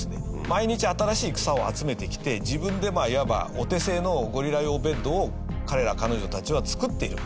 毎日新しい草を集めてきて自分でいわばお手製のゴリラ用ベッドを彼ら彼女たちは作っている。